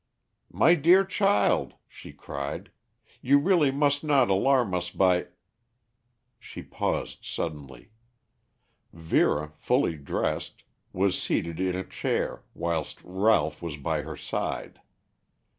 "My dear child," she cried, "you really must not alarm us by " She paused suddenly. Vera, fully dressed, was seated in a chair, whilst Ralph was by her side.